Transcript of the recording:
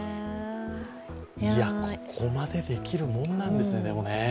ここまでできるもんなんですね、でもね。